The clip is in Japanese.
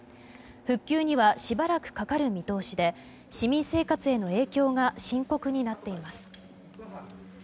復旧にはしばらくかかる見通しで市民生活への影響が深刻になっています。